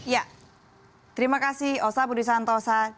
ya terima kasih osa budi santosa